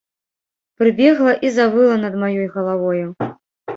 Прыбегла і завыла над маёй галавою.